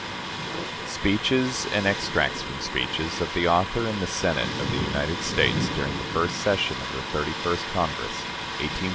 SPEECHES, AND EXTRACTS FROM SPEECHES, OF THE AUTHOR IN THE SENATE OF THE UNITED STATES DURING THE FIRST SESSION OF THE THIRTY FIRST CONGRESS, 1849 1850.